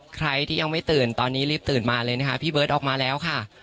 ใครที่ยังไม่ตื่นตอนนี้รีบตื่นมาเลยนะคะพี่เบิร์ตออกมาแล้วค่ะ